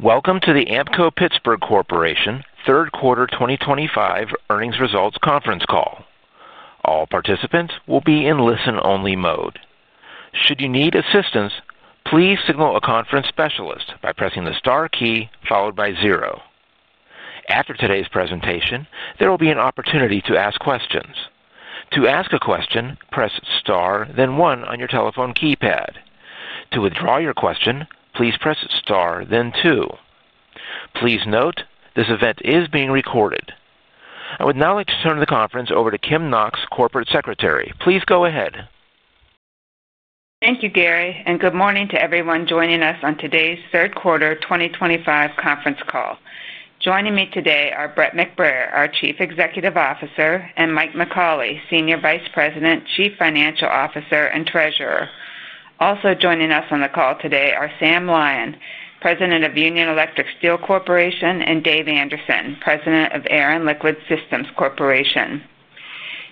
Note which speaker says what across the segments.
Speaker 1: Welcome to the Ampco-Pittsburgh Corporation third quarter 2025 earnings results conference call. All participants will be in listen-only mode. Should you need assistance, please signal a conference specialist by pressing the star key followed by zero. After today's presentation, there will be an opportunity to ask questions. To ask a question, press star, then one on your telephone keypad. To withdraw your question, please press star, then two. Please note this event is being recorded. I would now like to turn the conference over to Kim Knox, Corporate Secretary. Please go ahead.
Speaker 2: Thank you, Gary, and good morning to everyone joining us on today's third quarter 2025 conference call. Joining me today are Brett McBrayer, our Chief Executive Officer, and Mike McAuley, Senior Vice President, Chief Financial Officer, and Treasurer. Also joining us on the call today are Sam Lyon, President of Union Electric Steel Corporation, and David Anderson, President of Air & Liquid Systems Corporation.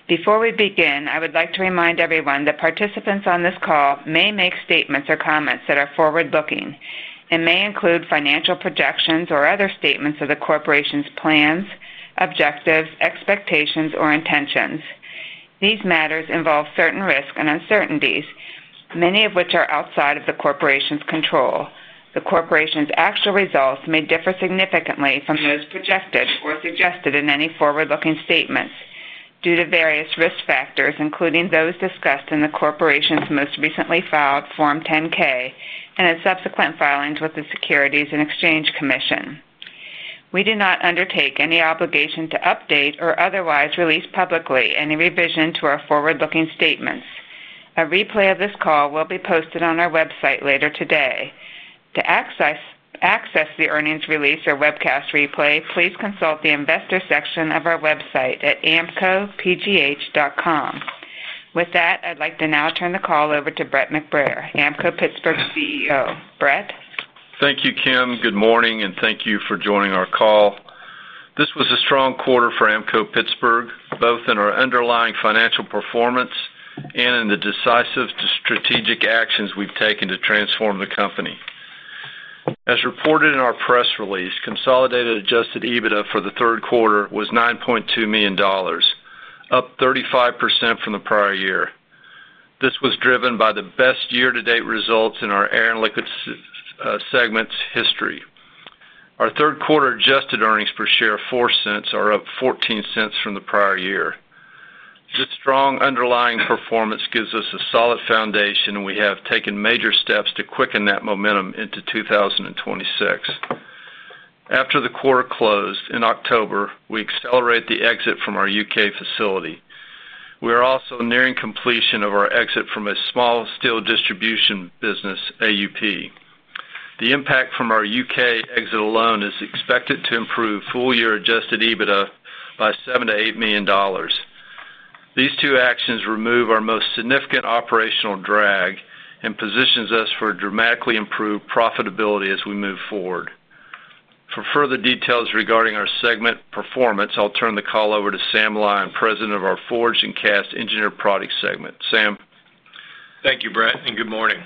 Speaker 2: Before we begin, I would like to remind everyone that participants on this call may make statements or comments that are forward-looking and may include financial projections or other statements of the corporation's plans, objectives, expectations, or intentions. These matters involve certain risks and uncertainties, many of which are outside of the corporation's control. The corporation's actual results may differ significantly from those projected or suggested in any forward-looking statements due to various risk factors, including those discussed in the corporation's most recently filed Form 10-K and its subsequent filings with the Securities and Exchange Commission. We do not undertake any obligation to update or otherwise release publicly any revision to our forward-looking statements. A replay of this call will be posted on our website later today. To access the earnings release or webcast replay, please consult the investor section of our website at ampcopgh.com. With that, I'd like to now turn the call over to Brett McBrayer, Ampco-Pittsburgh CEO. Brett.
Speaker 3: Thank you, Kim. Good morning, and thank you for joining our call. This was a strong quarter for Ampco-Pittsburgh, both in our underlying financial performance and in the decisive strategic actions we've taken to transform the company. As reported in our press release, consolidated Adjusted EBITDA for the third quarter was $9.2 million, up 35% from the prior year. This was driven by the best year-to-date results in our Air & Liquid segment's history. Our third quarter adjusted earnings per share of $0.04 are up $0.14 from the prior year. This strong underlying performance gives us a solid foundation, and we have taken major steps to quicken that momentum into 2026. After the quarter closed in October, we accelerated the exit from our U.K. facility. We are also nearing completion of our exit from a small steel distribution business, AUP. The impact from our U.K. exit alone is expected to improve full-year Adjusted EBITDA by $7 million-$8 million. These two actions remove our most significant operational drag and position us for dramatically improved profitability as we move forward. For further details regarding our segment performance, I'll turn the call over to Sam Lyon, President of our Forged and Cast Engineered Product segment. Sam.
Speaker 4: Thank you, Brett, and good morning.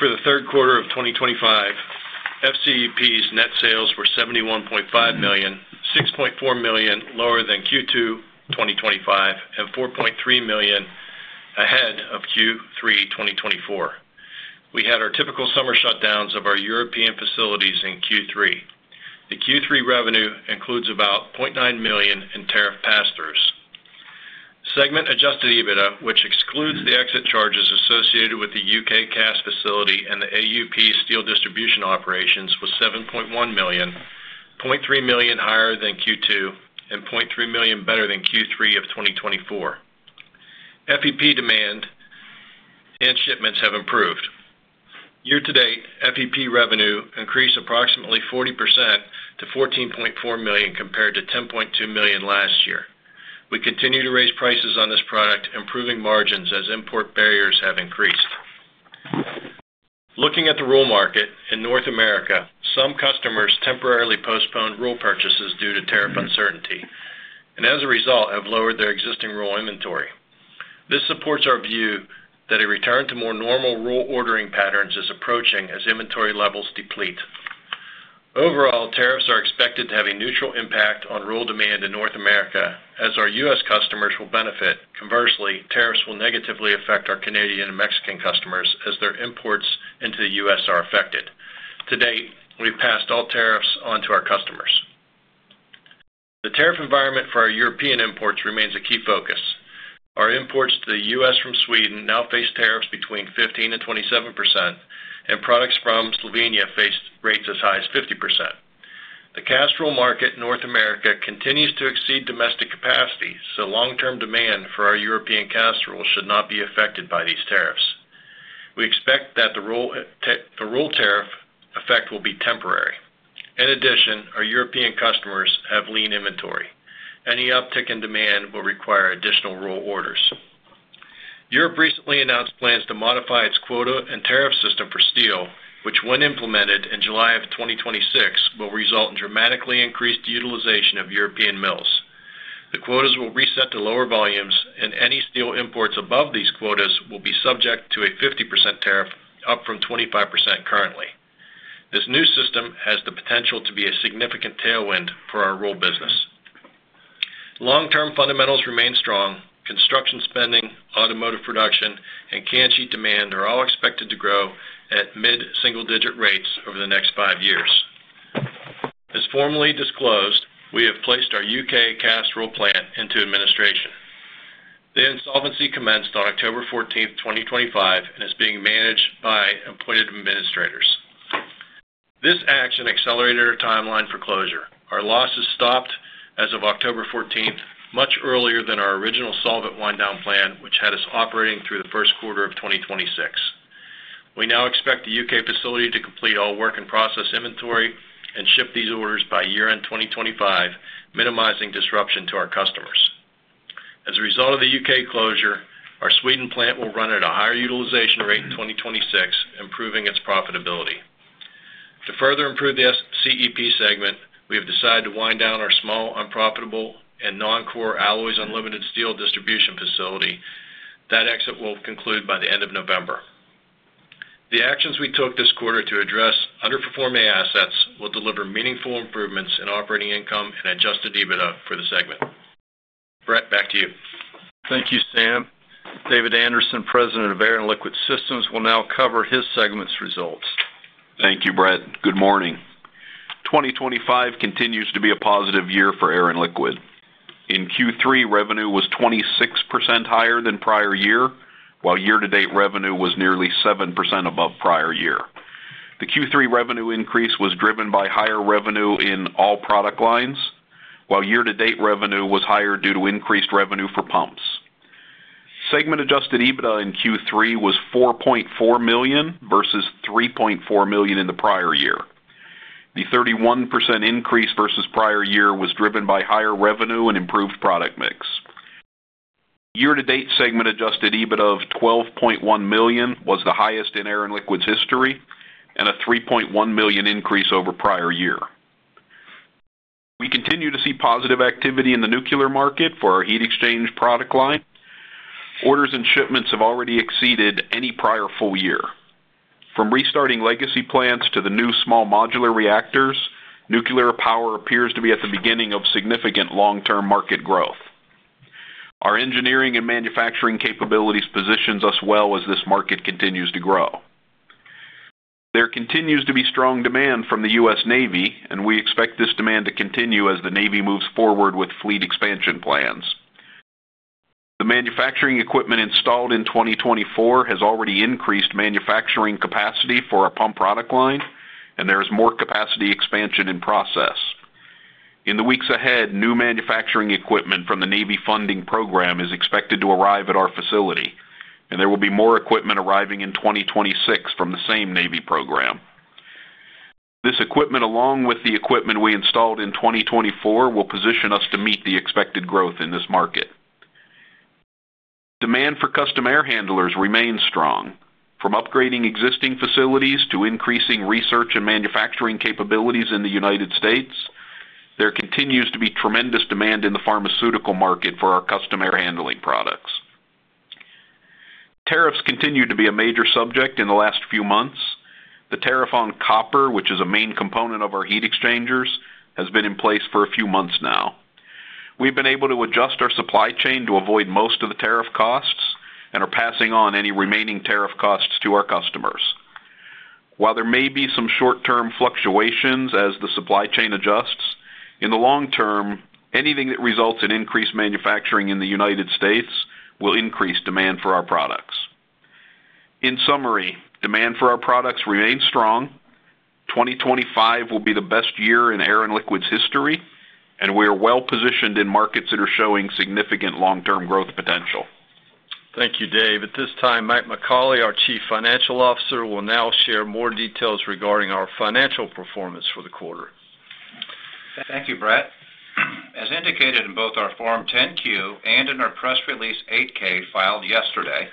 Speaker 4: For the third quarter of 2025, FCEP's net sales were $71.5 million, $6.4 million lower than Q2 2025, and $4.3 million ahead of Q3 2024. We had our typical summer shutdowns of our European facilities in Q3. The Q3 revenue includes about $0.9 million in tariff pass-throughs. Segment-Adjusted EBITDA, which excludes the exit charges associated with the U.K. cast facility and the AUP steel distribution operations, was $7.1 million, $0.3 million higher than Q2, and $0.3 million better than Q3 of 2024. FEP demand and shipments have improved. Year-to-date, FEP revenue increased approximately 40% to $14.4 million compared to $10.2 million last year. We continue to raise prices on this product, improving margins as import barriers have increased. Looking at the roll market in North America, some customers temporarily postponed roll purchases due to tariff uncertainty and, as a result, have lowered their existing roll inventory. This supports our view that a return to more normal roll ordering patterns is approaching as inventory levels deplete. Overall, tariffs are expected to have a neutral impact on roll demand in North America, as our U.S. customers will benefit. Conversely, tariffs will negatively affect our Canadian and Mexican customers, as their imports into the U.S. are affected. To date, we've passed all tariffs onto our customers. The tariff environment for our European imports remains a key focus. Our imports to the U.S. from Sweden now face tariffs between 15%-27%, and products from Slovenia face rates as high as 50%. The cast roll market in North America continues to exceed domestic capacity, so long-term demand for our European cast rolls should not be affected by these tariffs. We expect that the roll tariff effect will be temporary. In addition, our European customers have lean inventory. Any uptick in demand will require additional roll orders. Europe recently announced plans to modify its quota and tariff system for steel, which, when implemented in July of 2026, will result in dramatically increased utilization of European mills. The quotas will reset to lower volumes, and any steel imports above these quotas will be subject to a 50% tariff, up from 25% currently. This new system has the potential to be a significant tailwind for our roll business. Long-term fundamentals remain strong. Construction spending, automotive production, and canned sheet demand are all expected to grow at mid-single-digit rates over the next five years. As formally disclosed, we have placed our U.K. cast roll plant into administration. The insolvency commenced on October 14th, 2025, and is being managed by appointed administrators. This action accelerated our timeline for closure. Our losses stopped as of October 14th, much earlier than our original solvent wind-down plan, which had us operating through the first quarter of 2026. We now expect the U.K. facility to complete all work and process inventory and ship these orders by year-end 2025, minimizing disruption to our customers. As a result of the U.K. closure, our Sweden plant will run at a higher utilization rate in 2026, improving its profitability. To further improve the FCEP segment, we have decided to wind down our small, unprofitable, and non-core Alloys Unlimited steel distribution facility. That exit will conclude by the end of November. The actions we took this quarter to address underperforming assets will deliver meaningful improvements in operating income and Adjusted EBITDA for the segment. Brett, back to you.
Speaker 3: Thank you, Sam. David Anderson, President of Air & Liquid Systems Corporation, will now cover his segment's results.
Speaker 5: Thank you, Brett. Good morning. 2025 continues to be a positive year for Air & Liquid. In Q3, revenue was 26% higher than prior year, while year-to-date revenue was nearly 7% above prior year. The Q3 revenue increase was driven by higher revenue in all product lines, while year-to-date revenue was higher due to increased revenue for pumps. Segment-Adjusted EBITDA in Q3 was $4.4 million versus $3.4 million in the prior year. The 31% increase versus prior year was driven by higher revenue and improved product mix. Year-to-date segment-Adjusted EBITDA of $12.1 million was the highest in Air & Liquid's history and a $3.1 million increase over prior year. We continue to see positive activity in the nuclear market for our heat exchangers product line. Orders and shipments have already exceeded any prior full year. From restarting legacy plants to the new small modular reactors, nuclear power appears to be at the beginning of significant long-term market growth. Our engineering and manufacturing capabilities position us well as this market continues to grow. There continues to be strong demand from the U.S. Navy, and we expect this demand to continue as the Navy moves forward with fleet expansion plans. The manufacturing equipment installed in 2024 has already increased manufacturing capacity for our pump product line, and there is more capacity expansion in process. In the weeks ahead, new manufacturing equipment from the Navy funding program is expected to arrive at our facility, and there will be more equipment arriving in 2026 from the same Navy program. This equipment, along with the equipment we installed in 2024, will position us to meet the expected growth in this market. Demand for custom air handlers remains strong. From upgrading existing facilities to increasing research and manufacturing capabilities in the United States, there continues to be tremendous demand in the pharmaceutical market for our custom air handling products. Tariffs continue to be a major subject in the last few months. The tariff on copper, which is a main component of our heat exchangers, has been in place for a few months now. We've been able to adjust our supply chain to avoid most of the tariff costs and are passing on any remaining tariff costs to our customers. While there may be some short-term fluctuations as the supply chain adjusts, in the long term, anything that results in increased manufacturing in the United States will increase demand for our products. In summary, demand for our products remains strong. 2025 will be the best year in Air & Liquid Systems' history, and we are well positioned in markets that are showing significant long-term growth potential.
Speaker 3: Thank you, Dave. At this time, Mike McAuley, our Chief Financial Officer, will now share more details regarding our financial performance for the quarter.
Speaker 6: Thank you, Brett. As indicated in both our Form 10-Q and in our press release 8-K filed yesterday,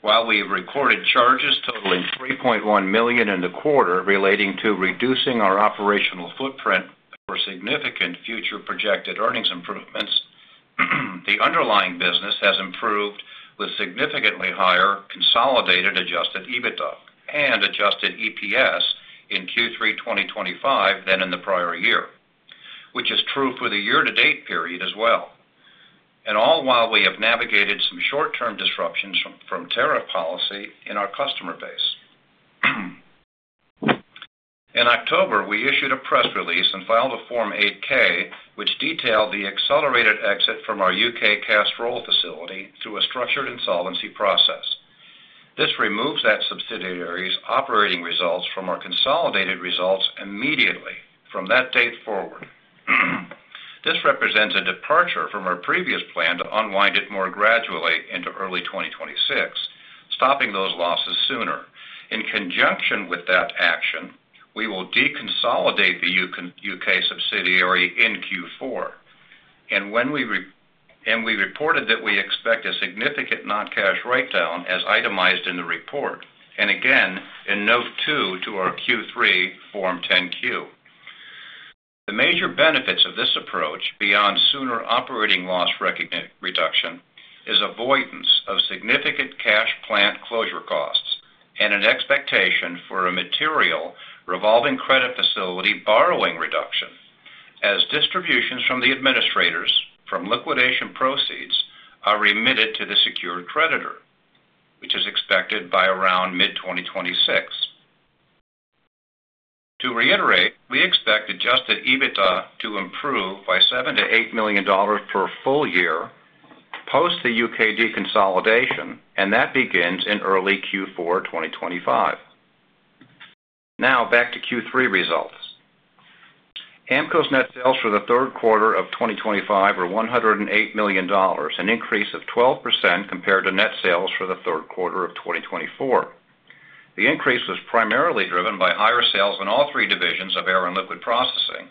Speaker 6: while we have recorded charges totaling $3.1 million in the quarter relating to reducing our operational footprint for significant future projected earnings improvements, the underlying business has improved with significantly higher consolidated Adjusted EBITDA and Adjusted EPS in Q3 2025 than in the prior year, which is true for the year-to-date period as well. All while we have navigated some short-term disruptions from tariff policy in our customer base. In October, we issued a press release and filed a Form 8-K, which detailed the accelerated exit from our U.K. cast roll facility through a structured insolvency process. This removes that subsidiary's operating results from our consolidated results immediately from that date forward. This represents a departure from our previous plan to unwind it more gradually into early 2026, stopping those losses sooner. In conjunction with that action, we will deconsolidate the U.K. subsidiary in Q4. When we reported that, we expect a significant non-cash write-down as itemized in the report, and again in note two to our Q3 Form 10-Q. The major benefits of this approach, beyond sooner operating loss reduction, is avoidance of significant cash plant closure costs and an expectation for a material revolving credit facility borrowing reduction, as distributions from the administrators from liquidation proceeds are remitted to the secured creditor, which is expected by around mid-2026. To reiterate, we expect Adjusted EBITDA to improve by $7 million-$8 million per full year post the U.K. deconsolidation, and that begins in early Q4 2025. Now, back to Q3 results. Ampco-Pittsburgh's net sales for the third quarter of 2025 were $108 million, an increase of 12% compared to net sales for the third quarter of 2024. The increase was primarily driven by higher sales in all three divisions of Air & Liquid Processing,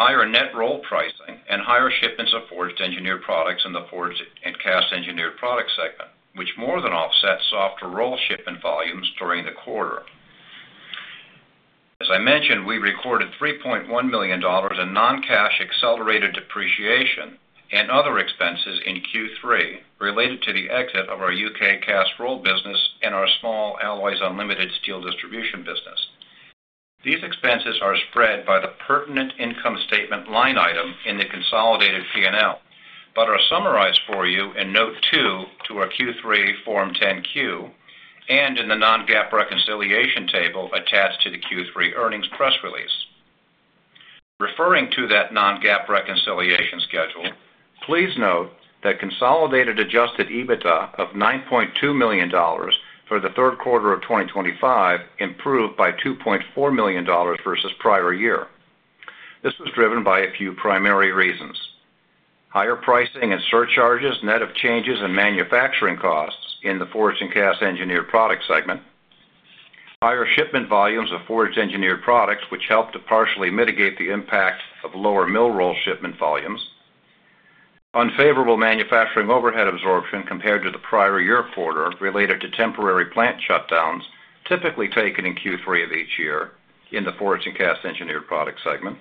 Speaker 6: higher net roll pricing, and higher shipments of forged engineered products in the Forged and Cast Engineered Products segment, which more than offset softer roll shipment volumes during the quarter. As I mentioned, we recorded $3.1 million in non-cash accelerated depreciation and other expenses in Q3 related to the exit of our U.K. cast roll business and our small Alloys Unlimited steel distribution business. These expenses are spread by the pertinent income statement line item in the consolidated P&L, but are summarized for you in note two to our Q3 Form 10-Q and in the non-GAAP reconciliation table attached to the Q3 earnings press release. Referring to that non-GAAP reconciliation schedule, please note that consolidated Adjusted EBITDA of $9.2 million for the third quarter of 2025 improved by $2.4 million versus prior year. This was driven by a few primary reasons: higher pricing and surcharges, net of changes in manufacturing costs in the Forged and Cast Engineered Products segment; higher shipment volumes of forged engineered products, which helped to partially mitigate the impact of lower mill roll shipment volumes; unfavorable manufacturing overhead absorption compared to the prior year quarter related to temporary plant shutdowns typically taken in Q3 of each year in the Forged and Cast Engineered Products segment;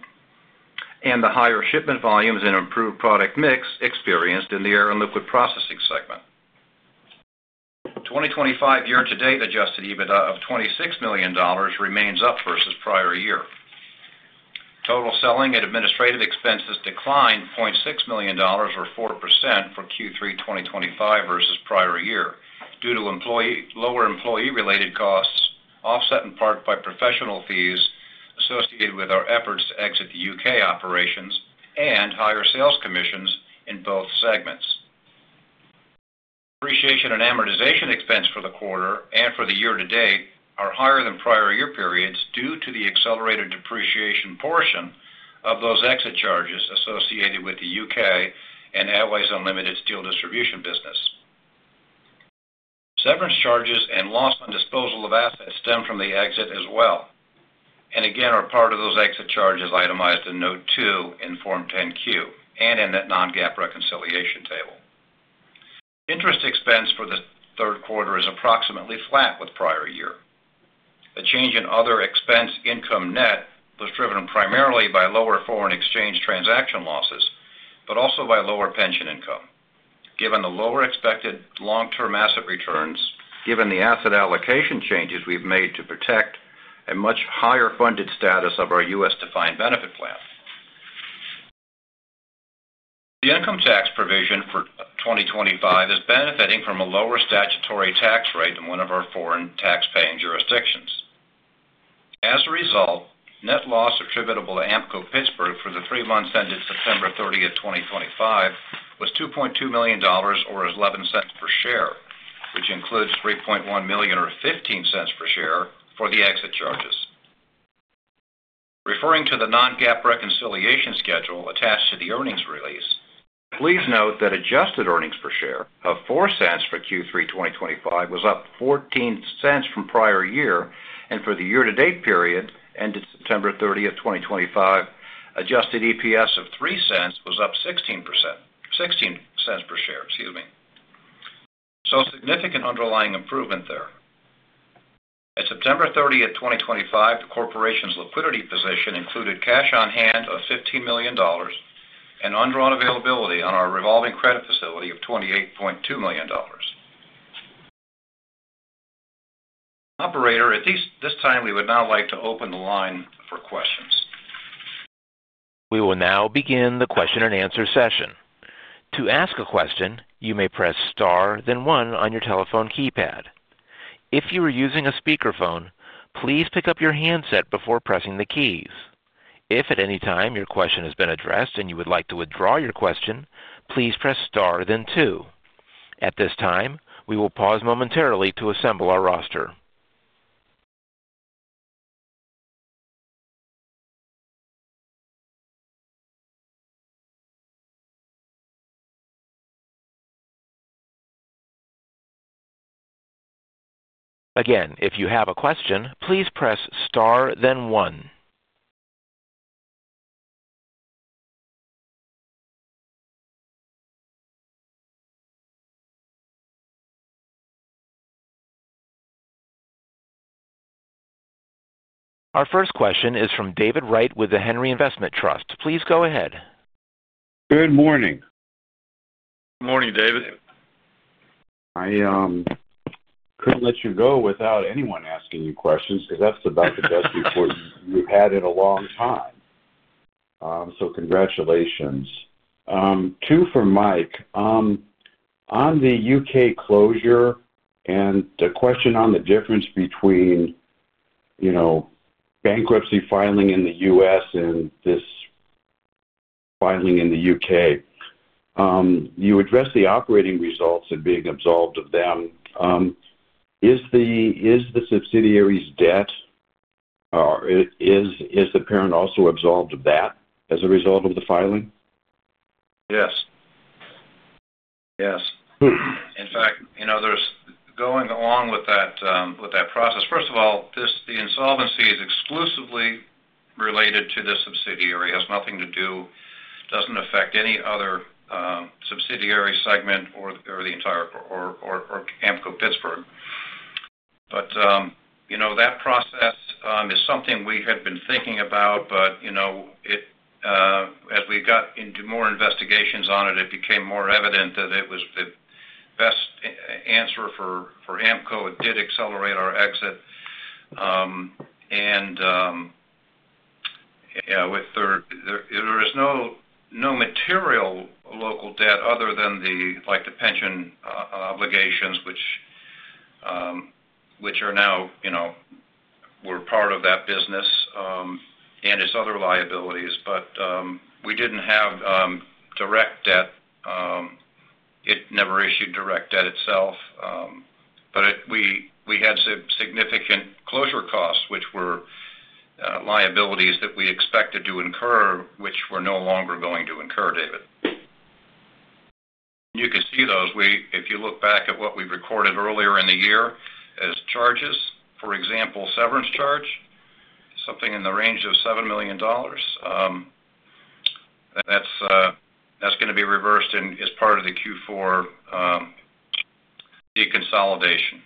Speaker 6: and the higher shipment volumes and improved product mix experienced in the Air & Liquid Processing segment. 2025 year-to-date Adjusted EBITDA of $26 million remains up versus prior year. Total selling and administrative expenses declined $0.6 million or 4% for Q3 2025 versus prior year due to lower employee-related costs offset in part by professional fees associated with our efforts to exit the U.K. operations and higher sales commissions in both segments. Depreciation and amortization expense for the quarter and for the year-to-date are higher than prior year periods due to the accelerated depreciation portion of those exit charges associated with the U.K. and Alloys Unlimited steel distribution business. Severance charges and loss on disposal of assets stem from the exit as well, and again are part of those exit charges itemized in note two in Form 10-Q and in that non-GAAP reconciliation table. Interest expense for the third quarter is approximately flat with prior year. The change in other expense income net was driven primarily by lower foreign exchange transaction losses, but also by lower pension income, given the lower expected long-term asset returns, given the asset allocation changes we've made to protect a much higher funded status of our U.S. defined benefit plan. The income tax provision for 2025 is benefiting from a lower statutory tax rate in one of our foreign tax-paying jurisdictions. As a result, net loss attributable to Ampco-Pittsburgh for the three months ended September 30th, 2025, was $2.2 million or $0.11 per share, which includes $3.1 million or $0.15 per share for the exit charges. Referring to the non-GAAP reconciliation schedule attached to the earnings release, please note that adjusted earnings per share of $0.04 for Q3 2025 was up $0.14 from prior year, and for the year-to-date period ended September 30th, 2025, Adjusted EPS of $0.03 was up $0.16 per share. Excuse me. So significant underlying improvement there. At September 30th, 2025, the corporation's liquidity position included cash on hand of $15 million and undrawn availability on our revolving credit facility of $28.2 million. Operator, at this time, we would now like to open the line for questions.
Speaker 1: We will now begin the question-and-answer session. To ask a question, you may press star, then one on your telephone keypad. If you are using a speakerphone, please pick up your handset before pressing the keys. If at any time your question has been addressed and you would like to withdraw your question, please press star, then two. At this time, we will pause momentarily to assemble our roster. Again, if you have a question, please press star, then one. Our first question is from David Wright with the Henry Investment Trust. Please go ahead.
Speaker 7: Good morning.
Speaker 3: Good morning, David.
Speaker 7: I could not let you go without anyone asking you questions because that is about the best report you have had in a long time. So congratulations. Two for Mike. On the U.K. closure and the question on the difference between bankruptcy filing in the U.S. and this filing in the U.K., you addressed the operating results and being absolved of them. Is the subsidiary's debt or is the parent also absolved of that as a result of the filing?
Speaker 6: Yes. Yes. In fact, going along with that process, first of all, the insolvency is exclusively related to the subsidiary, has nothing to do, does not affect any other subsidiary segment or the entire Ampco-Pittsburgh. That process is something we had been thinking about, but as we got into more investigations on it, it became more evident that it was the best answer for Ampco and did accelerate our exit. There is no material local debt other than the pension obligations, which are now part of that business and its other liabilities. We did not have direct debt. It never issued direct debt itself. We had significant closure costs, which were liabilities that we expected to incur, which we are no longer going to incur, David. You can see those. If you look back at what we've recorded earlier in the year as charges, for example, severance charge, something in the range of $7 million, that's going to be reversed as part of the Q4 deconsolidation.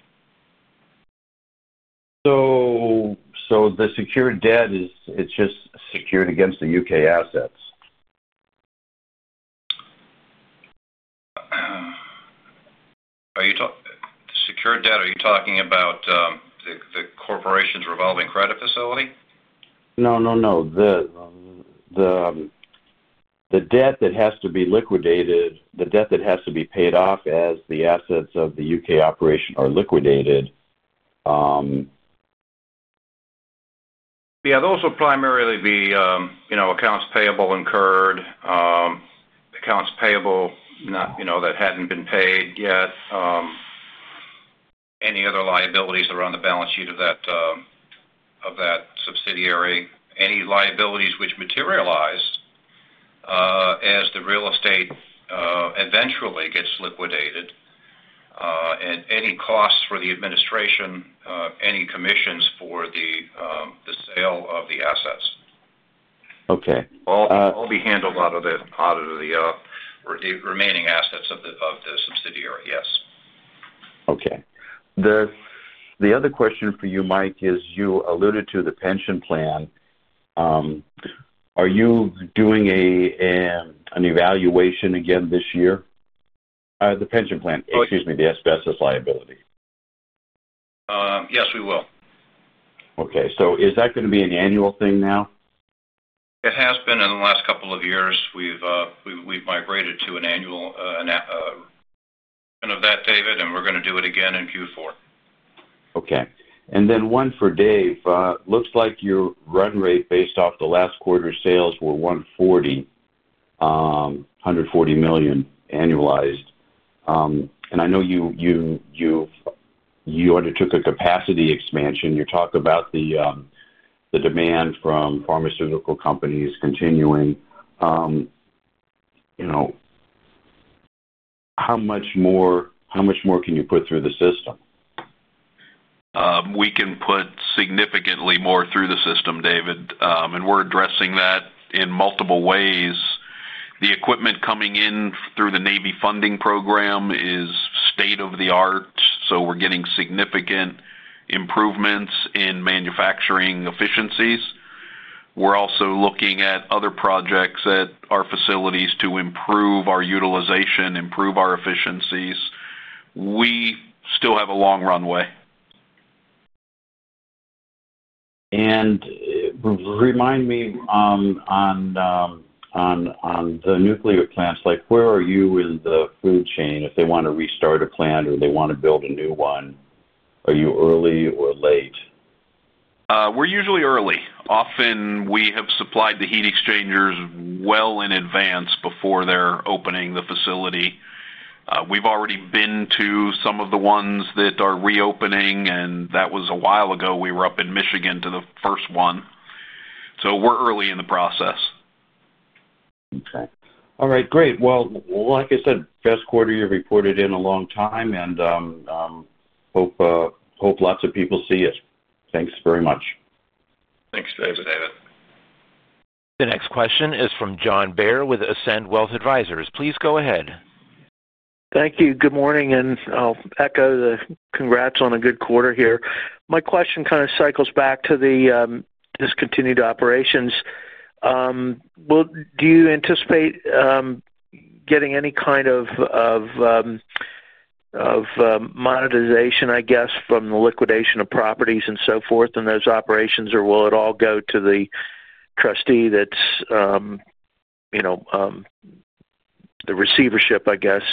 Speaker 7: The secured debt, it's just secured against the U.K. assets?
Speaker 6: The secured debt, are you talking about the corporation's revolving credit facility?
Speaker 7: No, no. The debt that has to be liquidated, the debt that has to be paid off as the assets of the U.K. operation are liquidated.
Speaker 6: Yeah. Those will primarily be accounts payable incurred, accounts payable that had not been paid yet, any other liabilities that are on the balance sheet of that subsidiary, any liabilities which materialize as the real estate eventually gets liquidated, and any costs for the administration, any commissions for the sale of the assets.
Speaker 7: Okay.
Speaker 6: All be handled out of the remaining assets of the subsidiary. Yes.
Speaker 7: Okay. The other question for you, Mike, is you alluded to the pension plan. Are you doing an evaluation again this year? The pension plan. Excuse me, the asbestos liability.
Speaker 6: Yes, we will.
Speaker 7: Okay. So is that going to be an annual thing now?
Speaker 6: It has been in the last couple of years. We've migrated to an annual of that, David, and we're going to do it again in Q4.
Speaker 7: Okay. And then one for Dave. Looks like your run rate based off the last quarter sales were $140 million annualized. I know you undertook a capacity expansion. You talk about the demand from pharmaceutical companies continuing. How much more can you put through the system?
Speaker 5: We can put significantly more through the system, David. We are addressing that in multiple ways. The equipment coming in through the Navy funding program is state-of-the-art, so we are getting significant improvements in manufacturing efficiencies. We are also looking at other projects at our facilities to improve our utilization, improve our efficiencies. We still have a long runway.
Speaker 7: Remind me on the nuclear plants, where are you in the food chain if they want to restart a plant or they want to build a new one? Are you early or late?
Speaker 5: We're usually early. Often, we have supplied the heat exchangers well in advance before they're opening the facility. We've already been to some of the ones that are reopening, and that was a while ago. We were up in Michigan to the first one. We are early in the process.
Speaker 7: Okay. All right. Great. Like I said, best quarter you've reported in a long time, and hope lots of people see it. Thanks very much. Thanks, David.
Speaker 1: The next question is from John Baer with Ascend Wealth Advisors. Please go ahead.
Speaker 8: Thank you. Good morning, and I'll echo the congrats on a good quarter here. My question kind of cycles back to the discontinued operations. Do you anticipate getting any kind of monetization, I guess, from the liquidation of properties and so forth in those operations, or will it all go to the trustee that's the receivership, I guess,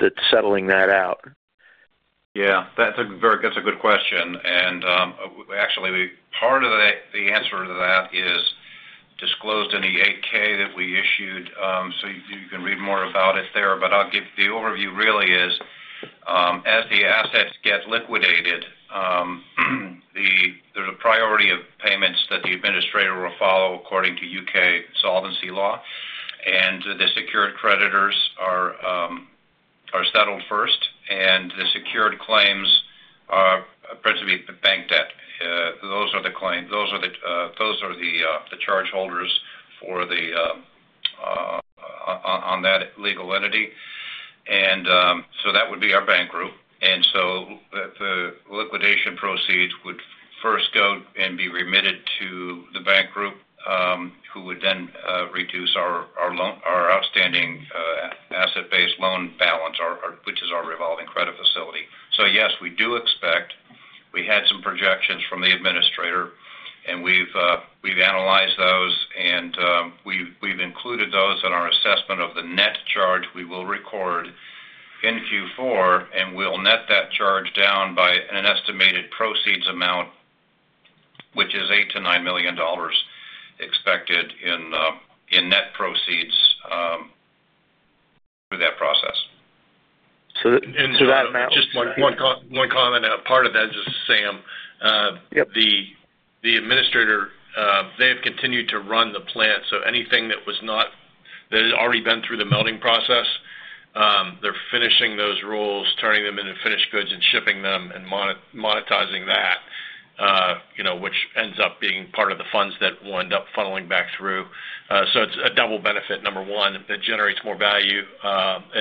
Speaker 8: that's settling that out?
Speaker 3: Yeah. That's a good question. Actually, part of the answer to that is disclosed in the 8-K that we issued. You can read more about it there. The overview really is, as the assets get liquidated, there's a priority of payments that the administrator will follow according to U.K. solvency law. The secured creditors are settled first, and the secured claims are supposed to be the bank debt. Those are the claims. Those are the chargeholders on that legal entity. That would be our bank group. The liquidation proceeds would first go and be remitted to the bank group, who would then reduce our outstanding asset-based loan balance, which is our revolving credit facility. Yes, we do expect. We had some projections from the administrator, and we've analyzed those, and we've included those in our assessment of the net charge we will record in Q4, and we'll net that charge down by an estimated proceeds amount, which is $8 million-$9 million expected in net proceeds through that process.
Speaker 8: That amount.
Speaker 4: Just one comment. Part of that is just Sam. The administrator, they have continued to run the plant. Anything that has already been through the melting process, they are finishing those rolls, turning them into finished goods and shipping them and monetizing that, which ends up being part of the funds that will end up funneling back through. It is a double benefit, number one. It generates more value.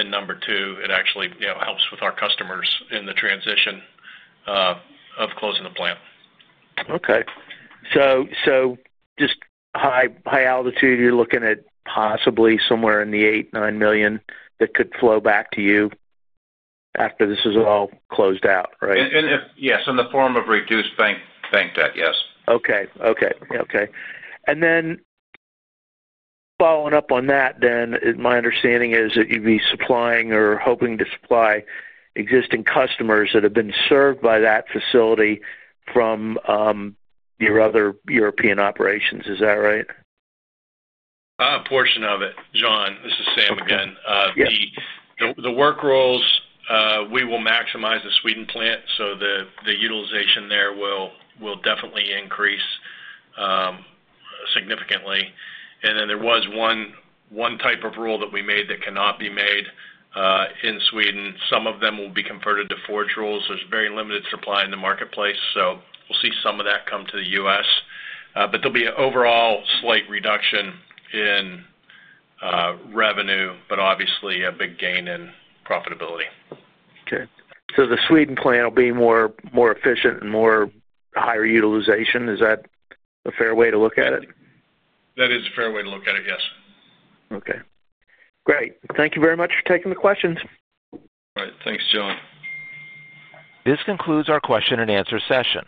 Speaker 4: Number two, it actually helps with our customers in the transition of closing the plant.
Speaker 8: Okay. So just high altitude, you're looking at possibly somewhere in the $8 million-$9 million that could flow back to you after this is all closed out, right?
Speaker 3: Yes. In the form of reduced bank debt. Yes.
Speaker 8: Okay. Okay. And then following up on that, my understanding is that you'd be supplying or hoping to supply existing customers that have been served by that facility from your other European operations. Is that right?
Speaker 4: A portion of it. John, this is Sam again. The work rolls, we will maximize the Sweden plant, so the utilization there will definitely increase significantly. There was one type of roll that we made that cannot be made in Sweden. Some of them will be converted to forged rolls. There is very limited supply in the marketplace. We will see some of that come to the U.S. There will be an overall slight reduction in revenue, but obviously a big gain in profitability.
Speaker 8: Okay. So the Sweden plant will be more efficient and more higher utilization. Is that a fair way to look at it?
Speaker 4: That is a fair way to look at it. Yes.
Speaker 8: Okay. Great. Thank you very much for taking the questions.
Speaker 4: All right. Thanks, John.
Speaker 1: This concludes our question-and-answer session.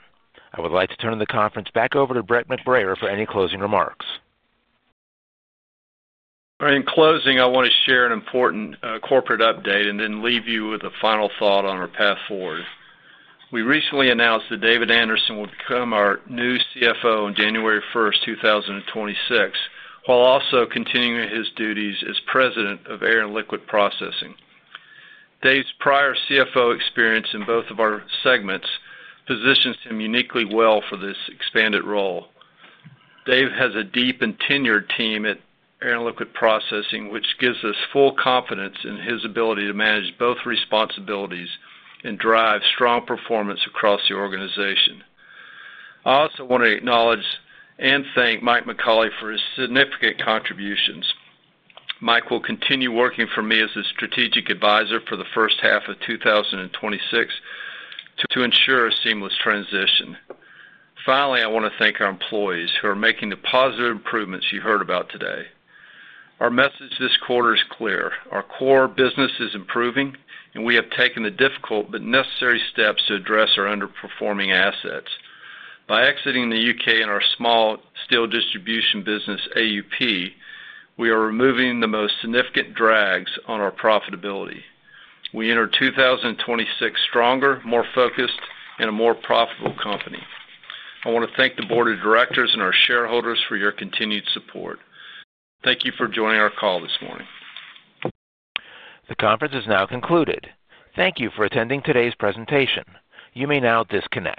Speaker 1: I would like to turn the conference back over to Brett McBrayer for any closing remarks.
Speaker 3: In closing, I want to share an important corporate update and then leave you with a final thought on our path forward. We recently announced that David Anderson will become our new CFO on January 1st, 2026, while also continuing his duties as President of Air & Liquid Processing. Dave's prior CFO experience in both of our segments positions him uniquely well for this expanded role. Dave has a deep and tenured team at Air & Liquid Processing, which gives us full confidence in his ability to manage both responsibilities and drive strong performance across the organization. I also want to acknowledge and thank Mike McAuley for his significant contributions. Mike will continue working for me as a strategic advisor for the first half of 2026 to ensure a seamless transition. Finally, I want to thank our employees who are making the positive improvements you heard about today. Our message this quarter is clear. Our core business is improving, and we have taken the difficult but necessary steps to address our underperforming assets. By exiting the U.K. and our small steel distribution business, AUP, we are removing the most significant drags on our profitability. We enter 2026 stronger, more focused, and a more profitable company. I want to thank the board of directors and our shareholders for your continued support. Thank you for joining our call this morning.
Speaker 1: The conference is now concluded. Thank you for attending today's presentation. You may now disconnect.